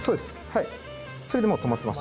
はいそれでもう留まってます。